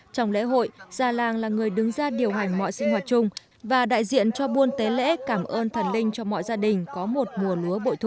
trong lễ hội gia làng là người đứng ra điều hành mọi sinh hoạt chung và đại diện cho buôn tế lễ cảm ơn thần linh cho mọi gia đình có một mùa lúa bội thu